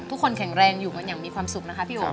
ทุกคนแข็งแรงอยู่กันอย่างมีความสุขนะคะพี่โอ๋